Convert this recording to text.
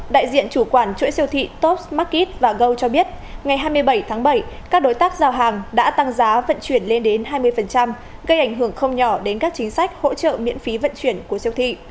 đại diện chủ quản chuỗi siêu thị top s market và god cho biết ngày hai mươi bảy tháng bảy các đối tác giao hàng đã tăng giá vận chuyển lên đến hai mươi gây ảnh hưởng không nhỏ đến các chính sách hỗ trợ miễn phí vận chuyển của siêu thị